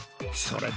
それ！